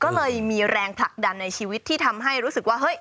ก็เลยมีแรงผลักดันในชีวิตที่ทำให้รู้สึกว่าเฮ้ย